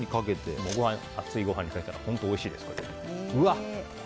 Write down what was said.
熱いご飯にかけたら本当においしいです。